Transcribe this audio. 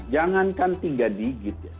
jangankan tiga digit